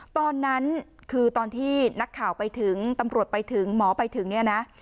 ตอนนั้นคือตอนที่นักข่าวไปถึงตำรวจไปถึงหมอไปถึงเนี่ยนะ